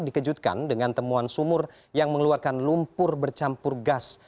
dikejutkan dengan temuan sumur yang mengeluarkan lumpur bercampur gas